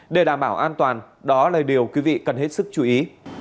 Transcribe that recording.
để đảm bảo an toàn đó là điều quý vị cần hết sức chú ý